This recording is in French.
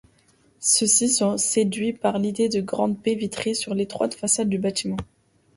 Ceux-ci sont séduits par l'idée de grande baie vitrée sur l'étroite façade du bâtiment.